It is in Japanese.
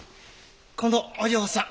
このお嬢さん